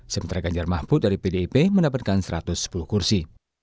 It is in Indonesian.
sementara ganjar mahfud dari pdip mendapatkan satu ratus sepuluh kursi